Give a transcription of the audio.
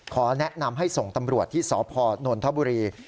ขอแนะนำให้ส่งตำรวจที่สพนนทบุรี